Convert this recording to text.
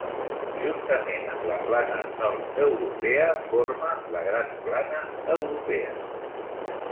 Juntament amb la plana nord-europea forma la gran plana europea.